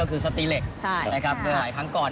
ก็คือสตีเล็กนะครับเวลาหลายครั้งก่อน